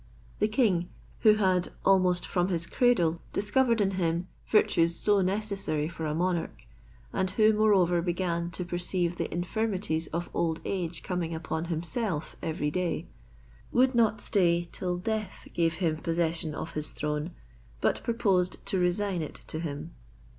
The king, who had almost from his cradle discovered in him virtues so necessary for a monarch, and who moreover began to perceive the infirmities of old age coming upon himself every day, would not stay till death gave him possession of his throne, but purposed to resign it to him.